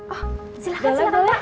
oh silahkan silahkan pak